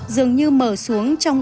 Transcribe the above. dường như mở xuống trong